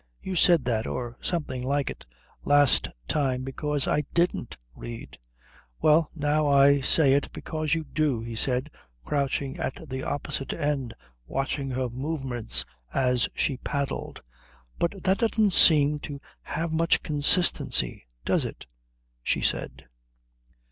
"You said that, or something like it, last time because I didn't read." "Well, now I say it because you do," he said, crouching at the opposite end watching her movements as she paddled. "But that doesn't seem to have much consistency, does it?" she said.